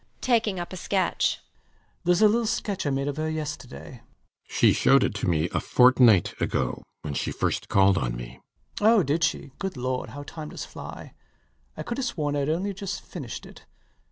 [Taking up a sketch] Theres a little sketch I made of her yesterday. RIDGEON. She shewed it to me a fortnight ago when she first called on me. LOUIS [quite unabashed] Oh! did she? Good Lord! how time does fly! I could have sworn I'd only just finished it.